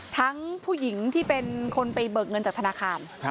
ผู้หญิงที่เป็นคนไปเบิกเงินจากธนาคาร